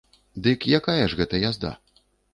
Дык якая ж гэта язда?